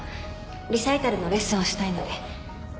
リサイタルのレッスンをしたいので。